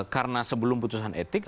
karena sebelum putusan etik